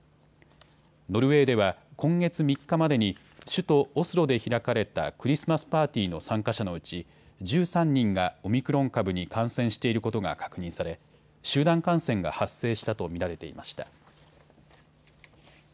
ノルウェーでは今月３日までに首都オスロで開かれたクリスマスパーティーの参加者のうち１３人がオミクロン株に感染していることが確認され集団感染が発生したと見られていました。